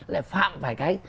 lại phạm phải cái